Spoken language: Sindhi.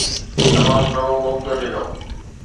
تمام گهڻو موقعو ڏنو.